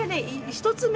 １つ目？